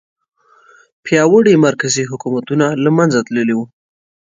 پیاوړي مرکزي حکومتونه له منځه تللي وو.